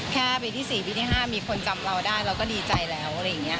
แค่ปีที่๔ปีที่๕มีคนจำเราได้เราก็ดีใจแล้ว